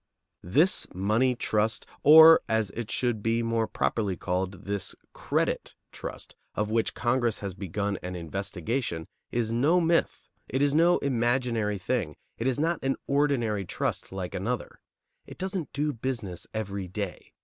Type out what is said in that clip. This money trust, or, as it should be more properly called, this credit trust, of which Congress has begun an investigation, is no myth; it is no imaginary thing. It is not an ordinary trust like another. It doesn't do business every day.